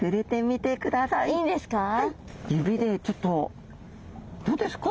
指でちょっとどうですか？